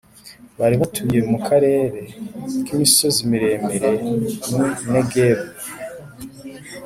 bari batuye mu karere k’imisozi miremire n’i Negebu